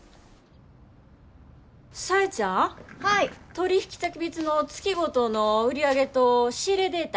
取引先別の月ごとの売り上げと仕入れデータ